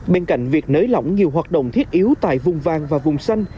bên cạnh việc nới lỏng nhiều hoạt động thiết yếu tại vùng vàng và vùng xanh